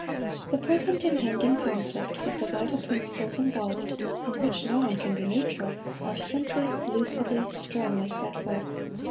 The present impending conflict, with the vital principles involved, in which no one can be neutral, are simply, lucidly, strongly set forth.